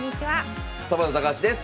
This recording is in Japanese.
サバンナ高橋です。